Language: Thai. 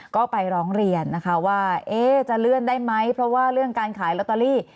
ก็ไปร้องเรียนนะคะว่าจะเลื่อนได้ไหมเพราะว่าเรื่องการขายลอตเตอรี่